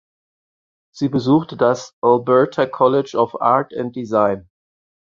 Sie besuchte das Alberta College of Art and Design.